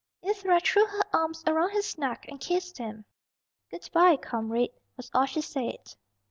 Ivra threw her arms about his neck and kissed him. "Good by, comrade," was all she said.